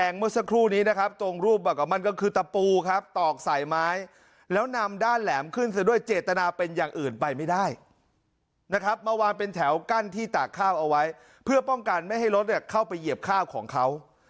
มาวางเป็นแถวกั้นที่ตากข้าวเอาไว้เพื่อป้องกันไม่ให้รถเข้าไปเหยียบข้าวของเขา